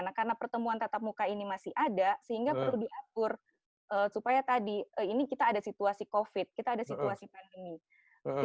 nah karena pertemuan tatap muka ini masih ada sehingga perlu diatur supaya tadi ini kita ada situasi covid kita ada situasi pandemi